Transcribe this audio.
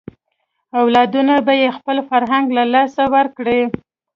اولادونه به یې خپل فرهنګ له لاسه ورکړي.